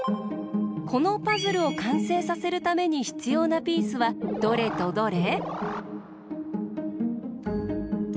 このパズルをかんせいさせるためにひつようなピースはどれとどれ？